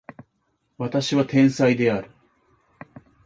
私は天才である